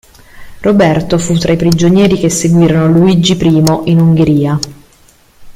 Roberto fu tra i prigionieri che seguirono Luigi I in Ungheria.